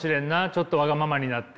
ちょっとわがままになって。